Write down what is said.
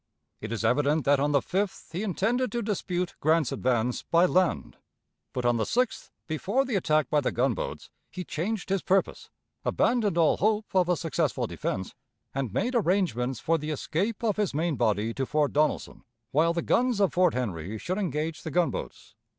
It is evident that on the 5th he intended to dispute Grant's advance by land; but on the 6th, before the attack by the gunboats, he changed his purpose, abandoned all hope of a successful defense, and made arrangements for the escape of his main body to Fort Donelson, while the guns of Fort Henry should engage the gunboats.